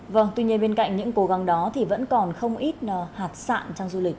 vâng tuy nhiên bên cạnh những cố gắng đó thì vẫn còn không ít hạt sạn trong du lịch